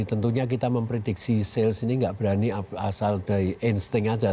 tentunya kita memprediksi sales ini tidak berani asal dari insting aja